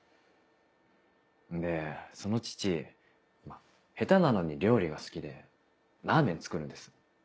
でその父下手なのに料理が好きでラーメン作るんです。